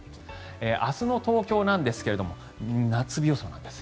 明日の東京なんですが夏日予想なんです。